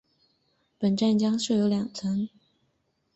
本站将设有两层。